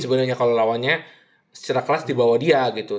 sebenarnya kalau lawannya secara kelas di bawah dia gitu